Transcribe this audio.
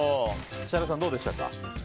設楽さん、どうでしたか？